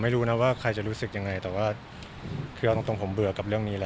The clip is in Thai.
เวลาประเภทให้เราดูได้คุยกับใครขึ้นไหมคะ